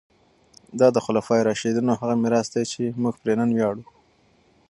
دا د خلفای راشدینو هغه میراث دی چې موږ پرې نن ویاړو.